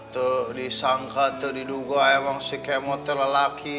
tuh disangka tuh diduga emang si kemot lelaki